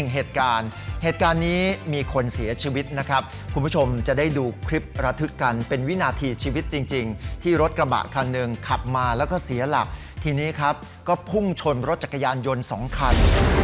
เหตุการณ์เหตุการณ์นี้มีคนเสียชีวิตนะครับคุณผู้ชมจะได้ดูคลิประทึกกันเป็นวินาทีชีวิตจริงที่รถกระบะคันหนึ่งขับมาแล้วก็เสียหลักทีนี้ครับก็พุ่งชนรถจักรยานยนต์๒คัน